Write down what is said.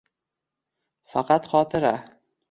Faqat xotira.